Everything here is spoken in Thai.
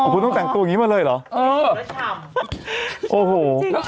คุณต้องแต่งตัวอย่างนี้มาเลยเหรอ